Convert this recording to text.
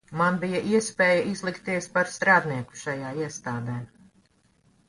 Man bija iespēja izlikties par strādnieku šajā iestādē.